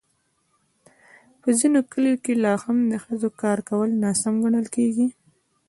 په ځینو کلیو کې لا هم د ښځو کار کول ناسم ګڼل کېږي.